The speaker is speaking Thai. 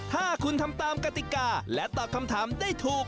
ถ้าคุณทำตามกติกาและตอบคำถามได้ถูก